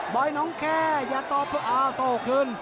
บ่อยน้องแคร์อย่าต่อเอ้าโตขึ้น